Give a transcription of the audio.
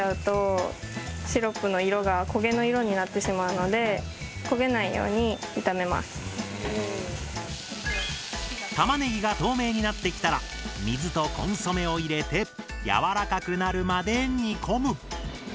鍋に油を引いてあったまったらたまねぎが透明になってきたら水とコンソメを入れてやわらかくなるまで煮込む！